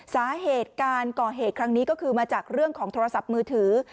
สาเหตุการก่อเหตุครั้งนี้ก็คือมาจากเรื่องของโทรศัพท์มือถือ